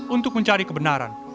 untuk mencari kebenaran